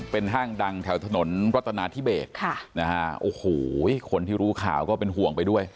เป็นห้างดังแถวถนนรัฐนาธิเบสค่ะนะฮะโอ้โหคนที่รู้ข่าวก็เป็นห่วงไปด้วย